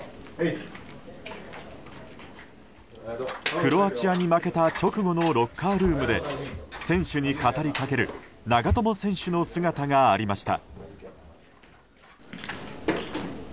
クロアチアに負けた直後のロッカールームで選手に語りかける長友選手の姿がありました。